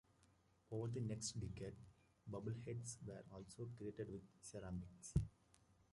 Over the next decade bobbleheads were also created with ceramics.